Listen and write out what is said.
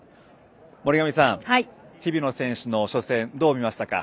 森上さん、日比野選手の初戦どう見ましたか？